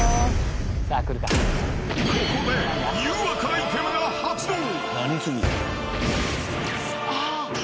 ［ここで誘惑アイテムが発動］